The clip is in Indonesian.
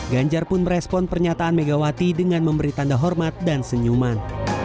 ganjar pun merespon pernyataan megawati dengan memberi tanda hormat dan senyuman